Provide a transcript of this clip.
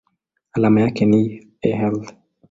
Alama yake ni Al.